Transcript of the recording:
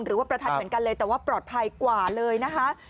ประทัดเหมือนกันเลยแต่ว่าปลอดภัยกว่าเลยนะคะ